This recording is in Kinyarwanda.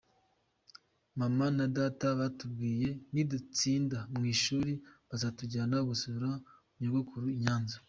Mama na data batubwiyeko nidutsinda mwishuri bazatujyana gusura nyogokuru I Nyanza.